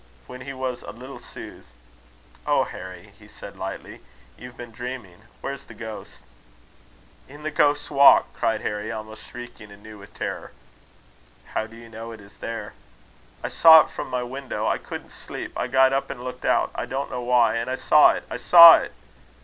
When he was a little soothed, "Oh, Harry!" he said, lightly, "you've been dreaming. Where's the ghost?" "In the Ghost's Walk," cried Harry, almost shrieking anew with terror. "How do you know it is there?" "I saw it from my window. I couldn't sleep. I got up and looked out I don't know why and I saw it! I saw it!"